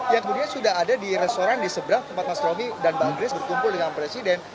yang kemudian sudah ada di restoran di seberang tempat mas romi dan mbak grace berkumpul dengan presiden